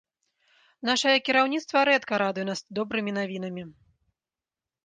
Нашае кіраўніцтва рэдка радуе нас добрымі навінамі.